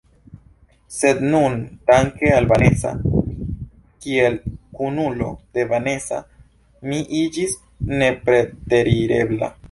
Sed nun, danke al Vanesa, kiel kunulo de Vanesa, mi iĝis nepreterirebla.